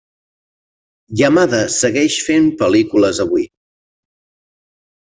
Yamada segueix fent pel·lícules avui.